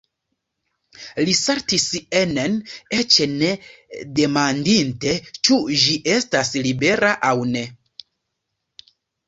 Li saltis enen, eĉ ne demandinte, ĉu ĝi estas libera aŭ ne.